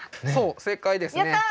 そう正解ですね。